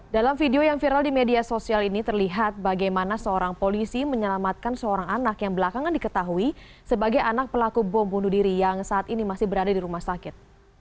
dalam video yang viral di media sosial ini terlihat bagaimana seorang polisi menyelamatkan seorang anak yang belakangan diketahui sebagai anak pelaku bom bunuh diri yang saat ini masih berada di rumah sakit